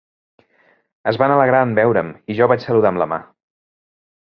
Es van alegrar en veure'm, i jo vaig saludar amb la mà.